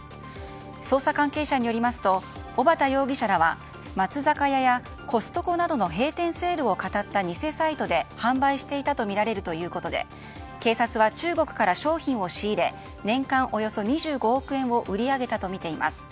捜査関係者によりますと小幡容疑者らは松坂屋やコストコなどの閉店セールをかたった偽サイトで販売していたとみられるということで警察は中国から商品を仕入れ年間およそ２５億円を売り上げたとみています。